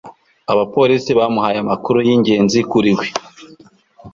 abapolisi bamuhaye amakuru yingenzi kuri we